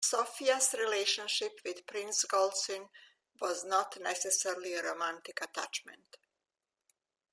Sophia's relationship with Prince Golitsyn was not necessarily a romantic attachment.